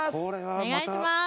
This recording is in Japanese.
お願いします！